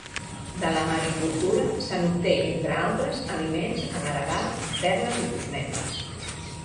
De la maricultura se n'obté entre altres, aliments, agar-agar, perles i cosmètics.